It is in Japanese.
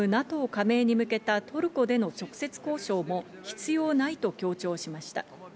ＮＡＴＯ加盟に向けたトルコでの直接交渉も必要ないと強調しました。